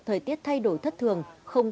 thời tiết thay đổi thất thường